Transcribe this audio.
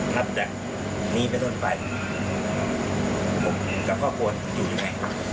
นับจากนี้ไปต้นไปผมกับข้อควรอยู่ไหน